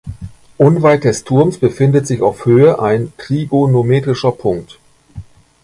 Unweit des Turms befindet sich auf Höhe ein Trigonometrischer Punkt.